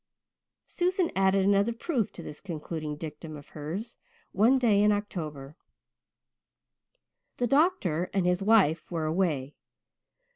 Susan added another proof to this concluding dictum of hers one day in October. The doctor and his wife were away.